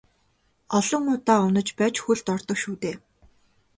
Олон удаа унаж байж хөлд ордог шүү дээ.